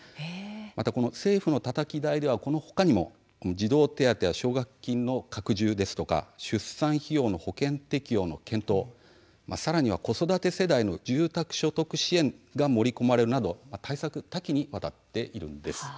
また、この政府のたたき台ではこの他にも児童手当や奨学金の拡充ですとか出産費用の保険適用の検討さらには子育て世代の住宅所得支援が盛り込まれるなど対策は多岐にわたっているんです。